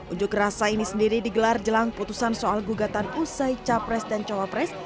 unjuk rasa ini sendiri digelar jelang putusan soal gugatan usai capres dan cawapres